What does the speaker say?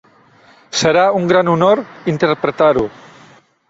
Serà un gran honor interpretar-ho.